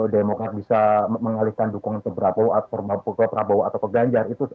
demokrat bisa mengalihkan dukungan ke prabowo atau ke ganjar